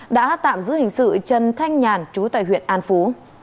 đã tạm giữ hình sự trần thanh nhàn chú tại huyện an phú